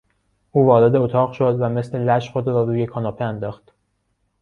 او وارد اتاق شد و مثل لش خود را روی کاناپه انداخت.